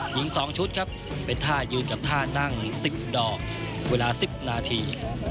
หญิง๒ชุดครับเป็นท่ายืนกับท่านั่ง๑๐ดอกเวลา๑๐นาที